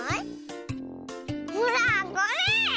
ほらこれ！